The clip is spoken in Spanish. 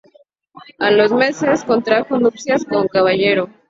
A los meses, contrajo nupcias con Caballero.